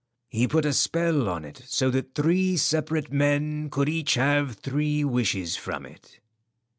He put a spell on it so that three separate men could each have three wishes from it."